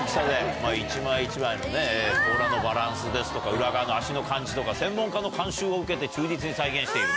まぁ一枚一枚のね甲羅のバランスですとか裏側の足の感じとか専門家の監修を受けて忠実に再現していると。